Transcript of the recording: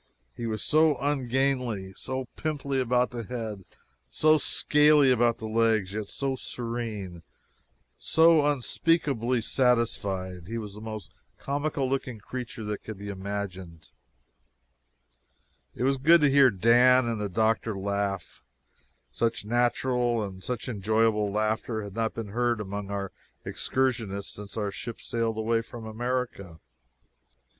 He was so ungainly, so pimply about the head, so scaly about the legs, yet so serene, so unspeakably satisfied! He was the most comical looking creature that can be imagined. It was good to hear Dan and the doctor laugh such natural and such enjoyable laughter had not been heard among our excursionists since our ship sailed away from America.